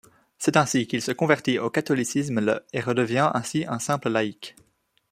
C'est ainsi qu'il se convertit au catholicisme le et redevient ainsi un simple laïc.